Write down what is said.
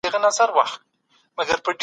اقتصادي پرمختیایي اهداف باید روښانه وي.